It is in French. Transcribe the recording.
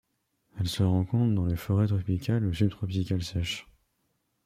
Elle se rencontre dans les forêts tropicales ou sub-tropicales sèches.